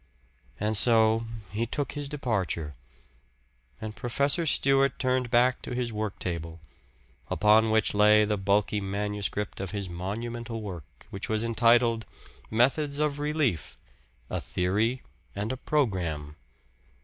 And so he took his departure; and Professor Stewart turned back to his work table, upon which lay the bulky manuscript of his monumental work, which was entitled: "Methods of Relief; A Theory and a Programme."